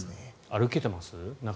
歩けてます？